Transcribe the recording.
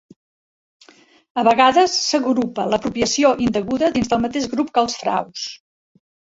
A vegades s'agrupa l'apropiació indeguda dins del mateix grup que els fraus.